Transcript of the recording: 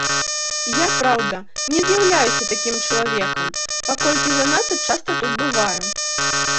Я, праўда, не з'яўляюся такім чалавекам, паколькі занадта часта тут бываю.